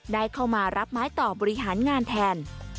ได้เข้ามารับไม้ต่อบริหารงานแทน